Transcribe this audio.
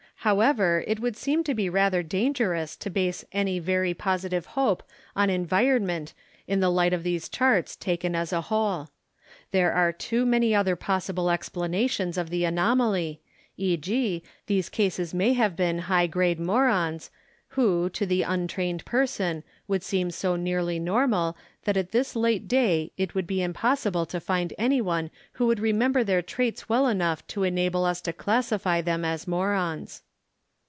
However, it would seem to be rather dangerous to base any very positive hope on environment in the light of these charts, taken as a whole. There are too many other possible explanations of the anomaly, e.g. 62 THE KALLIKAK FAMILY these cases may have been high grade morons, who, to the untrained person, would seem so nearly normal, that at this late day it would be impossible to find any one who would remember their traits well enough to enable us to classify them as morons.